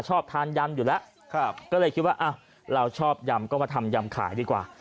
ชอบทานยำอยู่แล้วก็เลยคิดว่าอ้าวเราชอบยำก็มาทำยำขายดีกว่า